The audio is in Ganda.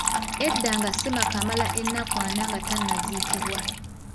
Edda nga ssemaka amala ennaku ana nga tannaziikibwa